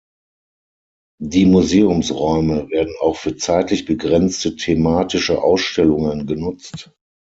Die Museumsräume werden auch für zeitlich begrenzte thematische Ausstellungen genutzt.